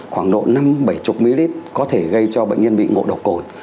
khoảng độ năm bảy mươi ml có thể gây cho bệnh nhân bị ngộ độc cồn